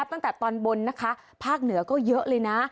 ตั้งแต่ตอนบนนะคะภาคเหนือก็เยอะเลยนะ